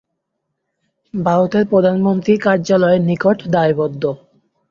ভারতের প্রধানমন্ত্রী কার্যালয়ের নিকট দায়বদ্ধ।